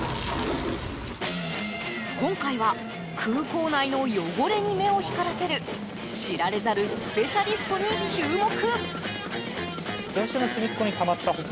今回は空港内の汚れに目を光らせる知られざるスペシャリストに注目。